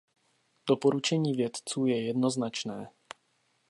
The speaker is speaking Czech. Doporučení vědců je jednoznačné.